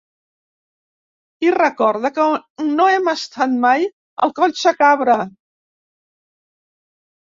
I recorda que no hem estat mai al Collsacabra.